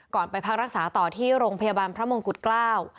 ไปพักรักษาต่อที่โรงพยาบาลพระมงกุฎเกล้า